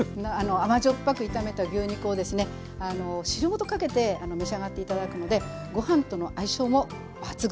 甘塩っぱく炒めた牛肉をですね汁ごとかけて召し上がって頂くのでご飯との相性も抜群です。